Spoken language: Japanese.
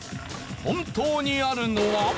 本当にあるのは。